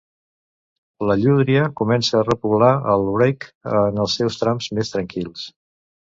La llúdria comença a repoblar el Wreake en els seus trams més tranquils.